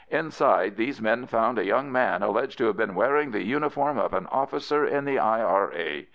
Inside these men found a young man alleged to have been wearing the uniform of an officer in the I.R.A.